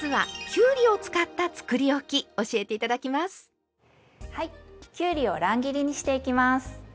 きゅうりを乱切りにしていきます。